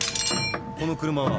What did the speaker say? この車は？